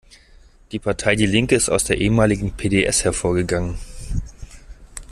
Die Partei die Linke ist aus der ehemaligen P-D-S hervorgegangen.